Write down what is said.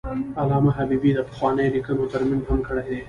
علامه حبیبي د پخوانیو لیکنو ترمیم هم کړی دی.